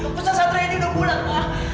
keputusan sadria ini udah bulat mak